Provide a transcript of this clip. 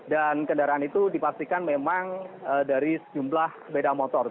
dan kendaraan itu dipastikan memang dari sejumlah beda motor